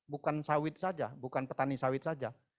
bukan sawit saja bukan petani sawit saja